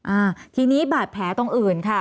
อ่าทีนี้บาดแผลตรงอื่นค่ะ